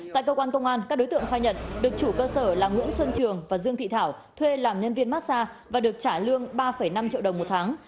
tại cơ quan công an các đối tượng khai nhận được chủ cơ sở là nguyễn xuân trường và dương thị thảo thuê làm nhân viên massage và được trả lương ba năm triệu đồng một tháng